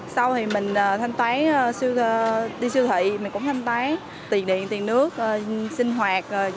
sau thì mình thanh toán đi siêu thị mình cũng thanh toán tiền điện tiền nước sinh hoạt